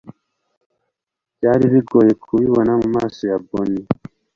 byari bigoye kubibona mumaso ya bonnie